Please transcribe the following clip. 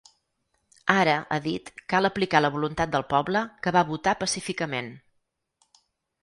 Ara, ha dit, cal aplicar la voluntat del poble que va votar pacíficament.